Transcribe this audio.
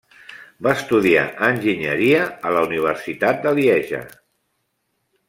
Va estudiar enginyeria a la Universitat de Lieja.